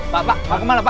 mama kepikiran mereka